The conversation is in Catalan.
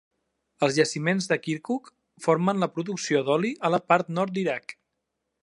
Els jaciments de Kirkuk formen la producció d'oli a la part nord d'Iraq.